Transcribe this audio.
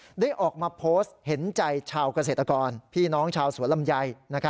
ได้ออกมาโพสต์เห็นใจชาวเกษตรกรพี่น้องชาวสวนลำไย